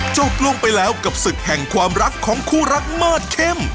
จบลงไปแล้วกับศึกแห่งความรักของคู่รักเมิดเข้ม